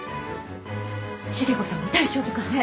重子さんは大丈夫かね。